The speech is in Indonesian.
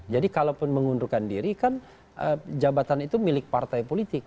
jadi kalau pun mengundurkan diri kan jabatan itu milik partai politik